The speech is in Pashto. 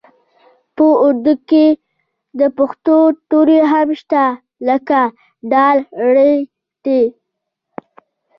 په اردو کې د پښتو توري هم شته لکه ډ ړ ټ